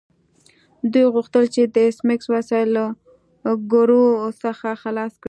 دوی غوښتل چې د ایس میکس وسایل له ګرو څخه خلاص کړي